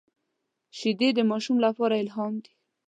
شیدې د ماشوم لپاره الهام دي